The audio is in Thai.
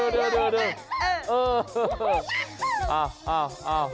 เดี๋ยว